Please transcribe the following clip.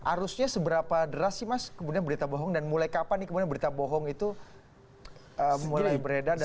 arusnya seberapa deras sih mas kemudian berita bohong dan mulai kapan nih kemudian berita bohong itu mulai beredar